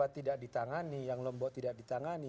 tidak ditangani yang lombok tidak ditangani